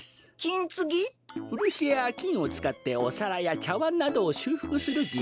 ウルシやきんをつかっておさらやちゃわんなどをしゅうふくするぎ